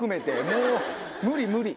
もう無理無理！